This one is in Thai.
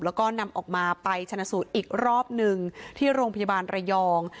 แล้วก็นำออกมาไปชนะสูตรอีกรอบหนึ่งที่โรงพยาบาลระยอง